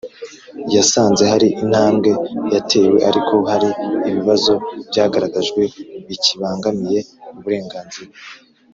Yasanze hari intambwe yatewe ariko hari ibibazo byagaragajwe bikibangamiye uburenganzira